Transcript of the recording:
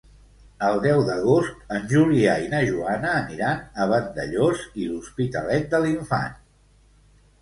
El deu d'agost en Julià i na Joana aniran a Vandellòs i l'Hospitalet de l'Infant.